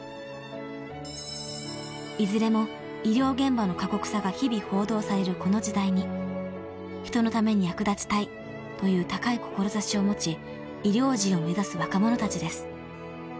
［いずれも医療現場の過酷さが日々報道されるこの時代に人のために役立ちたいという高い志を持ち医療人を目指す若者たちです］